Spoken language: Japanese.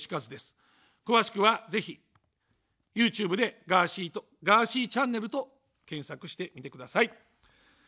詳しくは、ぜひＹｏｕＴｕｂｅでガーシーと、ガーシーｃｈと検索してみてください。